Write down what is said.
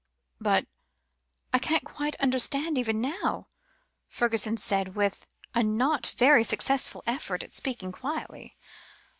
"But I can't quite understand even now," Fergusson said, with a not very successful effort to speak quietly.